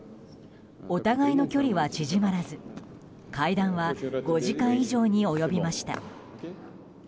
お互いの距離は縮まらず会談は５時間以上に及びました。